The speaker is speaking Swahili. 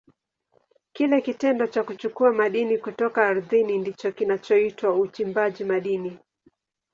Kile kitendo cha kuchukua madini kutoka ardhini ndicho kinachoitwa uchimbaji madini.